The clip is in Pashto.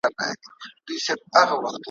اقتدا مي پسي کړې زما امام دی ما منلی `